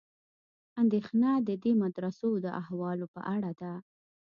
اندېښنه د دې مدرسو د احوالو په اړه ده.